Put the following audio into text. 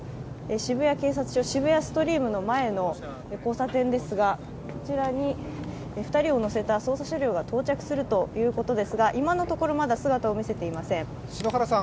渋谷警察署、渋谷ストリームの前の交差点ですが、こちらに２人を乗せた捜査車両が到着するということですが今のところ、まだ姿を見せていません。